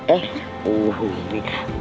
eh uh ini